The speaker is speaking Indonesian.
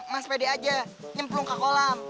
mas pede aja nyemplung ke kolam